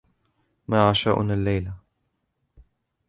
ما عشاؤنا الليلة؟